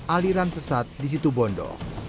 aliran sesat di situ bondo